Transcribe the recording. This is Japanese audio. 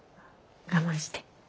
我慢して。